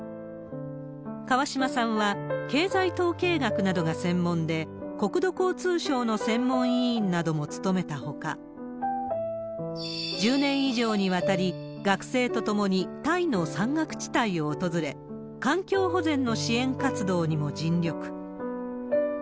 川嶋さんは経済統計学などが専門で、国土交通省の専門委員会なども務めたほか、１０年以上にわたり、学生と共にタイの山岳地帯を訪れ、環境保全の支援活動にも尽力。